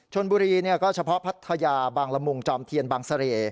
ชนบุรีก็เฉพาะพัทยาบางละมุงจอมเทียนบางเสร่